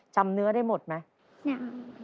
จำเนื้อได้หมดไหม